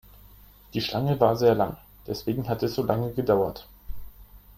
Die Schlange war sehr lang, deswegen hat es so lange gedauert.